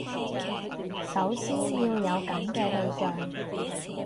首先要有噉嘅對象